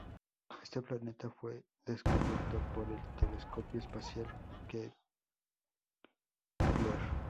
Este planeta fue descubierto por el Telescopio espacial Kepler.